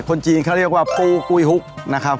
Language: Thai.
คนจีนเขาเรียกว่าปูกุ้ยฮุกนะครับ